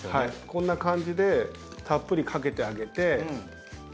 こんな感じでたっぷりかけてあげて。